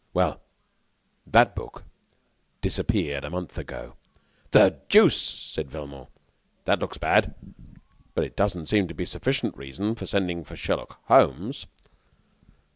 Well, that book disappeared a month ago." "The deuce!" said Velmont, "that looks bad. But it doesn't seem to be a sufficient reason for sending for Sherlock Holmes."